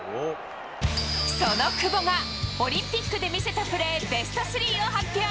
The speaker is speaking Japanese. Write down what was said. その久保が、オリンピックで見せたプレーベスト３を発表。